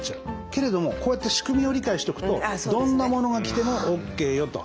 けれどもこうやって仕組みを理解しておくとどんなものが来てもＯＫよと。